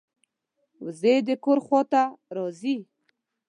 وزې د کور خوا ته راځي